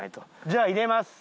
じゃあ入れます。